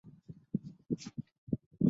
容易验证所有这样的矩阵构成一个群。